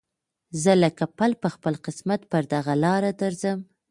زه لکه پل په خپل قسمت پر دغه لاره درځم